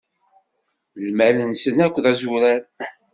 Lmal-nsen akk d azuran.